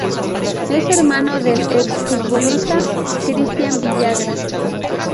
Es hermano del ex-futbolista Cristian Villagra.